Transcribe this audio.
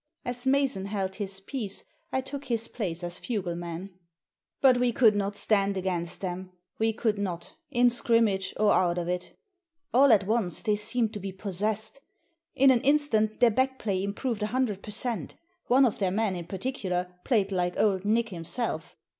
As Mason held his peace I took his place as fugleman. But we could not stand against them — we could not — in scrimmage or out of it All at once they seemed to be possessed. In an instant their back play improved a hundred per cent One of their men, in particular, played like Old Nick himself.